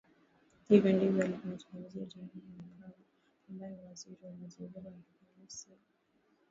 Hivyo ndivyo anavyomzungumzia January Makamba ambaye ni Waziri wa Mazingira Hamisi Kigwangalla Maliasili na